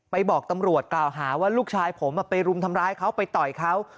บอกตำรวจกล่าวหาว่าลูกชายผมไปรุมทำร้ายเขาไปต่อยเขา